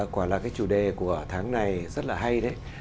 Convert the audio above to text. quả là cái chủ đề của tháng này rất là hay đấy